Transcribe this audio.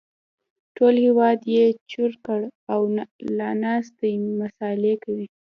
ټول هېواد يې چور کړ او لا ناست دی مسالې کوي